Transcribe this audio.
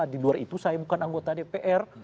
di luar itu saya bukan anggota dpr